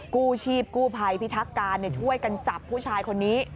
กู้ชีพกู้ภัยพิทักการช่วยกันจับผู้ชายคนนี้